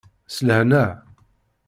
S lehna.